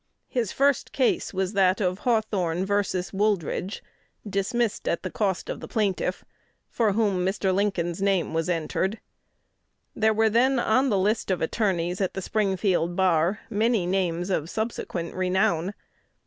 His first case was that of Hawthorne vs. Wooldridge, dismissed at the cost of the plaintiff, for whom Mr. Lincoln's name was entered. There were then on the list of attorneys at the Springfield bar many names of subsequent renown.